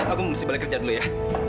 aku mesti boleh kerja dulu ya